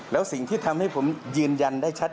แล้วก็เรียกเพื่อนมาอีก๓ลำ